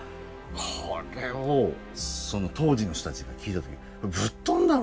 これを当時の人たちが聴いた時ぶっ飛んだろうな。